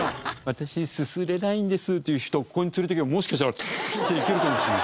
私すすれないんですっていう人をここに連れていけばもしかしたらズルズルッていけるかもしれない。